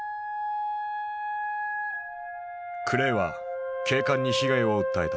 クレイは警官に被害を訴えた。